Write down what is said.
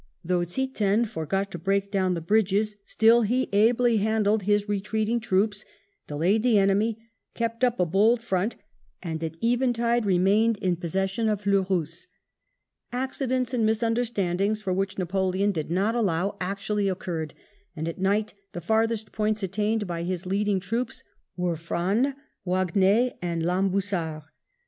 Though Ziethen forgot to break down the bridges, still he ably handled his retreating troops, delayed the enemy, kept up a bold front, and at eventide remained in possession of Fleurus. Accidents and mis understandings for which Napoleon did not allow actually occurred, and at night the farthest points attained by his leading troops were Frasne, Wagn^e, and Lambusart.